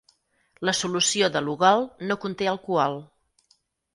La solució de Lugol no conté alcohol.